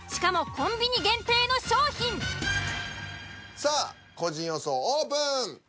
さあ個人予想オープン！